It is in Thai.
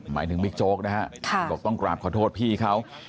หมายถึงมิคโจ๊กนะฮะค่ะก็ต้องกลับขอโทษพี่เขา